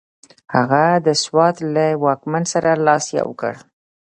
هغه د سوات له واکمن سره لاس یو کړ.